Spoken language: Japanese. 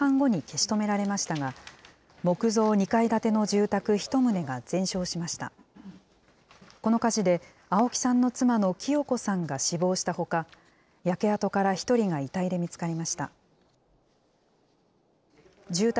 この火事で青木さんの妻の喜代子さんが死亡したほか、焼け跡から１人が遺体で見つかりました。